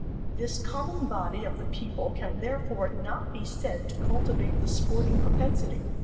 This common body of the people can therefore not be said to cultivate the sporting propensity.